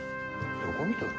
どこ見とる。